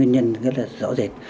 nhân rất là rõ rệt